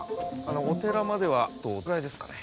お寺まではあとどのくらいですかね？